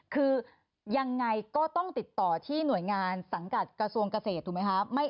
คือยังไงก็ต้องติดต่อที่หน่วยงานสังกัดกระทรวงเกษตรถูกไหมคะ